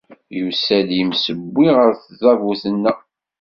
Yusa-d yimsewwi ɣer tdabut-nneɣ.